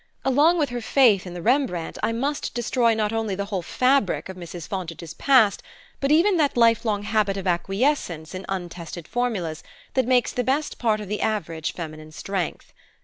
Along with her faith in the Rembrandt I must destroy not only the whole fabric of Mrs. Fontage's past, but even that lifelong habit of acquiescence in untested formulas that makes the best part of the average feminine strength.